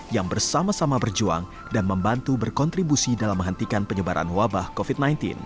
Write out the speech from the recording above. yang bersama sama berjuang dan membantu berkontribusi dalam menghentikan penyebaran wabah covid sembilan belas